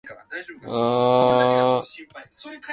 想おもい出で巡めぐらせ